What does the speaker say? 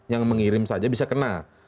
yang mengirim saja bisa kena